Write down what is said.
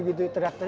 aku udah pede